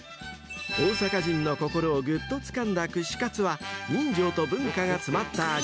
［大阪人の心をぐっとつかんだ串カツは人情と文化が詰まった味］